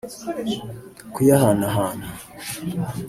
kuyahanahana